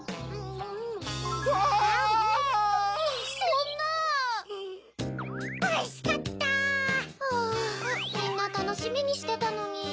みんなたのしみにしてたのに。